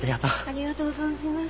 ありがとう存じます。